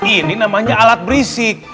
ini namanya alat berisik